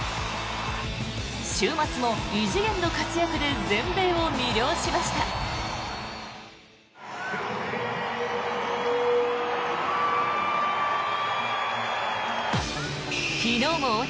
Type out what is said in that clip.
週末も異次元の活躍で全米を魅了しました。